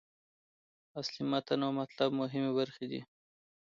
اصلي متن او مطلب مهمې برخې دي.